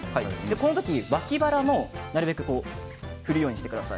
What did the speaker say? このとき脇腹もなるべく振るようにしてください。